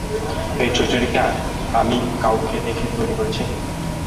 এই চরিত্রটি কি আমি কাউকে দেখে তৈরি করেছি?